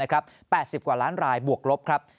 ๘๐กว่าล้านรายบวกลบครับ